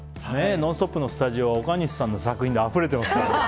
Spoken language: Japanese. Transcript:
「ノンストップ！」のスタジオは岡西さんの作品であふれてますからね。